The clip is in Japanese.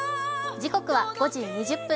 時刻は５時２０分。